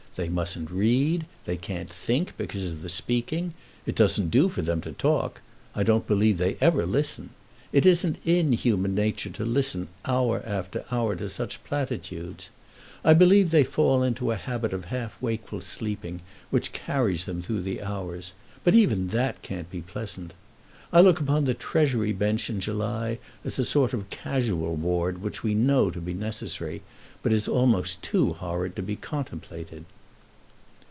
They mustn't read. They can't think because of the speaking. It doesn't do for them to talk. I don't believe they ever listen. It isn't in human nature to listen hour after hour to such platitudes. I believe they fall into a habit of half wakeful sleeping, which carries them through the hours; but even that can't be pleasant. I look upon the Treasury Bench in July as a sort of casual ward which we know to be necessary, but is almost too horrid to be contemplated."